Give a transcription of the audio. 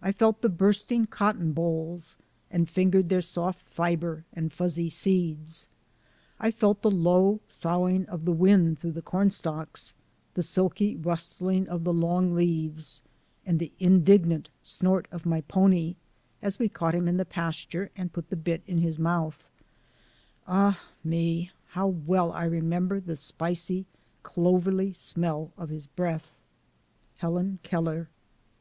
I felt the bursting cotton bolls and fingered their soft fiber and fuzzy seeds; I felt the low soughing of the wind through the cornstalks; the silky rustling of the long leaves; and the indignant snort of my pony, as we caught him in the pasture and put the bit in his mouth — ah me! how well I remember the spicy, clovery smell of his breath! — Helen Keller.